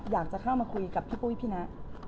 อยากจะเข้ามาคุยกับพี่ปุ้ยพี่นะ